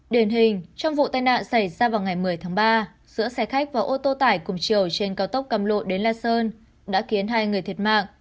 điển hình trong vụ tai nạn xảy ra vào ngày một mươi tháng ba giữa xe khách và ô tô tải cùng chiều trên cao tốc cam lộ đến la sơn đã khiến hai người thiệt mạng